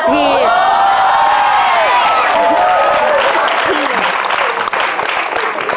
ก็ครับครับครับ